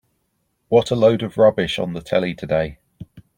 What a load of rubbish on the telly today.